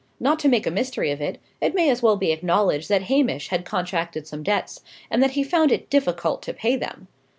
Not to make a mystery of it, it may as well be acknowledged that Hamish had contracted some debts, and that he found it difficult to pay them.